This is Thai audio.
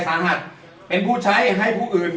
ตำรวจแห่งมือ